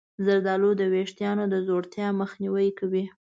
زردآلو د ویښتانو د ځوړتیا مخنیوی کوي.